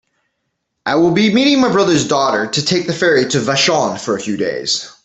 I will be meeting my brother's daughter to take the ferry to Vashon for a few days.